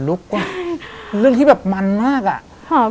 แต่ขอให้เรียนจบปริญญาตรีก่อน